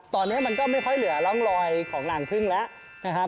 ตอนนี้มันก็ไม่ค่อยเหลือร่องรอยของหลังพึ่งแล้วนะครับ